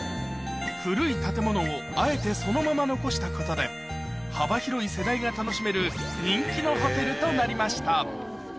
古い建物をあえてそのまま残したことで幅広い世代が楽しめる人気のホテルとなりました